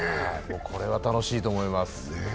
これは楽しいと思います。